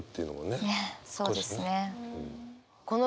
ねっそうですね。